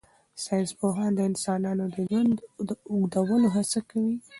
ساینس پوهان د انسانانو د ژوند اوږدولو هڅه کوي.